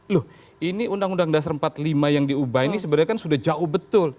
loh ini undang undang dasar empat puluh lima yang diubah ini sebenarnya kan sudah jauh betul